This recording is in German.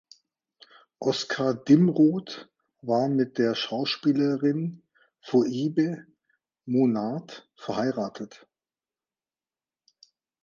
Oskar Dimroth war mit der Schauspielerin Phoebe Monnard verheiratet.